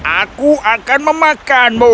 aku akan memakanmu